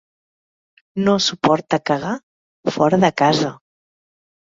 No suporta cagar fora de casa.